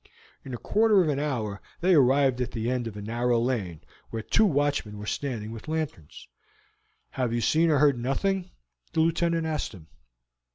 In a quarter of an hour they arrived at the end of a narrow lane, where two watchmen were standing with lanterns. "You have seen nor heard nothing?" the Lieutenant asked him.